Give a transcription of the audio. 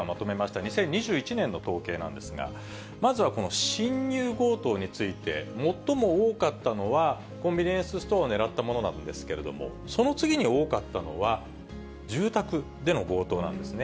２０２１年の統計なんですが、まずはこの侵入強盗について、最も多かったのはコンビニエンスストアを狙ったものなんですけれども、その次に多かったのは、住宅での強盗なんですね。